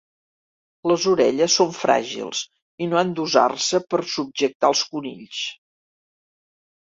Les orelles són fràgils i no han d'usar-se per a subjectar als conills.